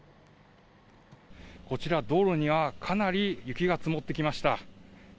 こちら、道路にはかなり雪が積もってきました。